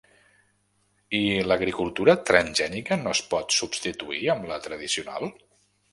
I l’agricultura transgènica no es pot substituir amb la tradicional?